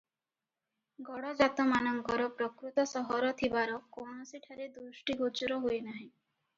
ଗଡ଼ଜାତମାନଙ୍କର ପ୍ରକୃତ ସହର ଥିବାର କୌଣସିଠାରେ ଦୃଷ୍ଟିଗୋଚର ହୁଏ ନାହିଁ ।